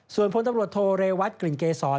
ส่วนพลตำรวจโทเรวัตกลิ่นเกษร